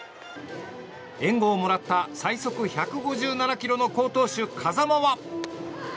援護をもらった最速１５７ｋｍの好投手、風間は。